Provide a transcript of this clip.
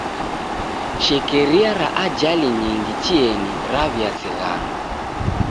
Shekeria ra ajali nyingi chienyi raw'iazighanwa.